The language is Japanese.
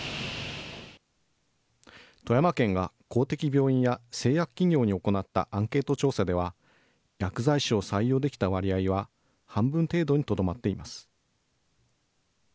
富山県が公的病院や、製薬企業に行ったアンケート調査では、薬剤師を採用できた割合は半分程度にとどまっています。